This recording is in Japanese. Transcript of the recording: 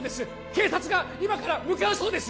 警察が今から向かうそうです